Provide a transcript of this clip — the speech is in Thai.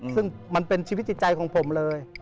ซึ่งมันเป็นชีวิตจิตใจของผมเลย